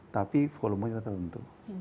tapi volume nya tertentu